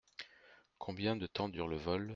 Combien de temps dure le vol ?